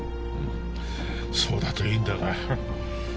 うんそうだといいんだが。